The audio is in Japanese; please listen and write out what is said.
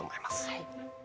はい。